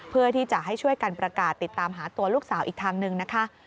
เพื่อที่จะให้ช่วยกันประกาศติดตามหาตัวลูกสาวอีกทางหนึ่งนะคะ